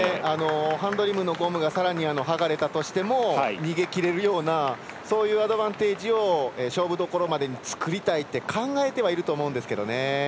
ハンドリムのゴムがさらに剥がれたとしてもそういうアドバンテージを勝負どころまでに作りたいと考えてはいると思うんですけどね。